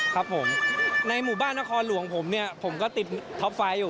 ครับผมในหมู่บ้านนครหลวงผมเนี่ยผมก็ติดท็อปไฟล์อยู่